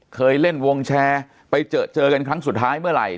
เคยเล่นวงแชร์ไปเจอเจอกันครั้งสุดท้ายเมื่อไหร่